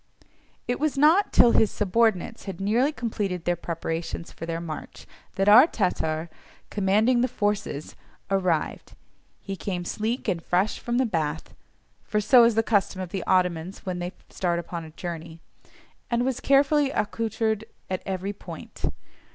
It was not till his subordinates had nearly completed their preparations for their march that our Tatar, "commanding the forces," arrived; he came sleek and fresh from the bath (for so is the custom of the Ottomans when they start upon a journey), and was carefully accoutred at every point.